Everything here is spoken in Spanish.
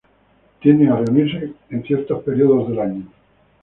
Tienden a reunirse en ciertos periodos del año.